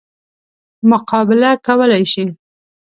مقابله کولای شي.